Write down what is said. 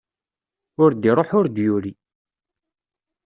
Ur d-iruḥ ur d-yuri.